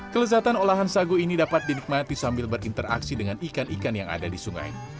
kelezatan olahan sagu ini dapat dinikmati sambil berinteraksi dengan ikan ikan yang ada di sungai